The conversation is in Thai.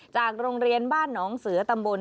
จากโรงเรียนบ้านหนองเสือตำบล